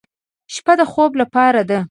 شپه د خوب لپاره ده.